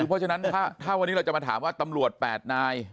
เพราะฉะนั้นถ้าวันนี้เราจะมาถามว่าตำรวจ๘นาย